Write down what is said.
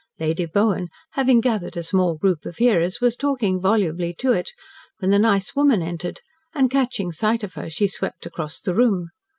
Lady Bowen, having gathered a small group of hearers, was talking volubly to it, when the nice woman entered, and, catching sight of her, she swept across the room.